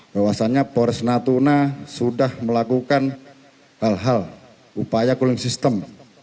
bahwasannya polres natuna sudah melakukan hal hal upaya cooling system